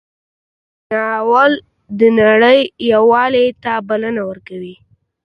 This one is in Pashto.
دا ناول د نړۍ یووالي ته بلنه ورکوي.